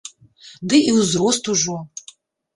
Ды і ўзрост ужо.